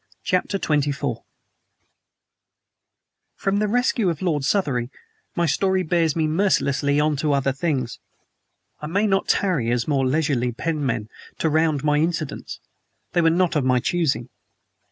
CHAPTER XXIV FROM the rescue of Lord Southery my story bears me mercilessly on to other things. I may not tarry, as more leisurely penmen, to round my incidents; they were not of my choosing.